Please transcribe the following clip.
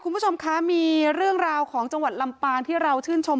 คุณผู้ชมคะมีเรื่องราวของจังหวัดลำปางที่เราชื่นชม